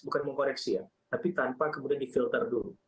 bukan mengkoreksi ya tapi tanpa kemudian difilter dulu